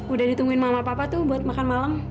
udah ditungguin mama papa tuh buat makan malam